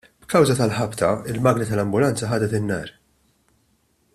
B'kawża tal-ħabta, il-magna tal-ambulanza ħadet in-nar.